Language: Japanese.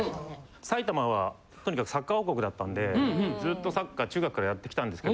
埼玉はとにかくサッカー王国だったんでずっとサッカー中学からやってきたんですけど。